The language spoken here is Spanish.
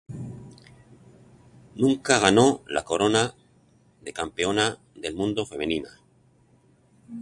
Nunca ganó la corona de Campeona del Mundo Femenina.